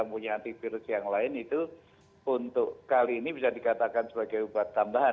punya antivirus yang lain itu untuk kali ini bisa dikatakan sebagai obat tambahan